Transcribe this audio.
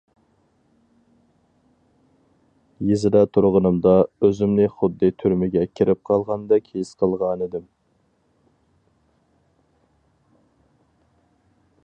يېزىدا تۇرغىنىمدا ئۆزۈمنى خۇددى تۈرمىگە كىرىپ قالغاندەك ھېس قىلغانىدىم.